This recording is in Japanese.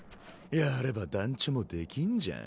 やれば団ちょもできんじゃん。